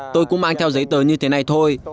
tôi cũng mang theo giấy tờ như thế này thôi